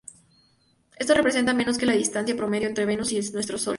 Esto representa menos que la distancia promedio entre Venus y nuestro sol.